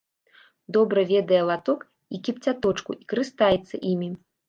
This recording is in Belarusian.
Добра ведае латок і кіпцяточку і карыстаецца імі.